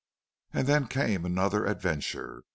And then came another adventure.